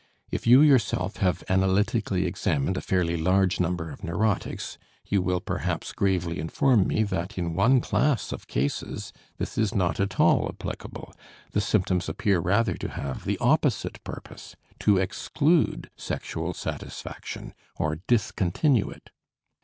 If you yourself have analytically examined a fairly large number of neurotics you will perhaps gravely inform me that in one class of cases this is not at all applicable, the symptoms appear rather to have the opposite purpose, to exclude sexual satisfaction, or discontinue it.